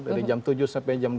dari jam tujuh sampai jam dua